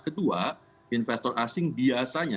kedua investor asing biasanya